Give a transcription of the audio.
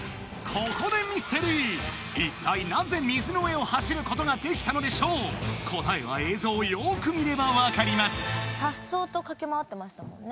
ここでミステリー一体なぜ水の上を走ることができたのでしょう答えは映像をよーく見れば分かりますさっそうと駆け回ってましたもんね